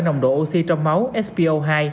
nồng độ oxy trong máu spo hai